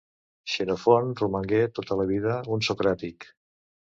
Xenofont romangué tota la vida un socràtic